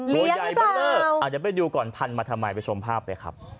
เลี้ยงหรือเปล่าอ่าเดี๋ยวไปดูก่อนพันธุ์มาทำไมไปชมภาพเลยครับ